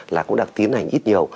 là cũng đang tiến hành ít nhiều